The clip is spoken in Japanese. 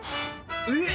えっ！